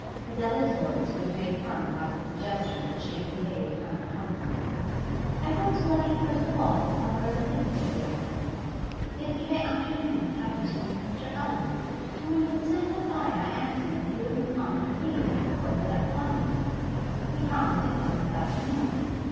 Adela's voice was made firm by the suggestion that she had behaved unbecomingly. 'I went to Letty first of all to tell her of a difficulty I was in. Yesterday afternoon I happened to meet Mr. Eldon, and when he was saying good bye I asked him if he wouldn't come and see you before he left Wanley. He promised to come this afternoon.